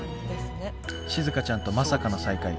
しずかちゃんとまさかの再会。